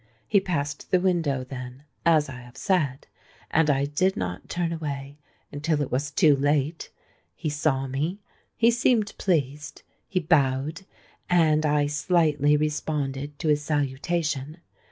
He passed the window, then—as I have said; and I did not turn away until it was too late. He saw me—he seemed pleased: he bowed—and I slightly responded to his salutation.